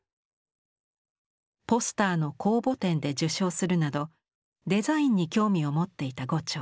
ポスターの公募展で受賞するなどデザインに興味を持っていた牛腸。